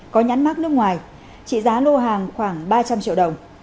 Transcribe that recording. có nhắn mắc nước ngoài trị giá lô hàng khoảng ba trăm linh triệu đồng